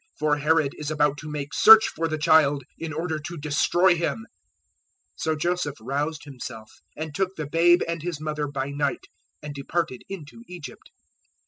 For Herod is about to make search for the child in order to destroy Him." 002:014 So Joseph roused himself and took the babe and His mother by night and departed into Egypt.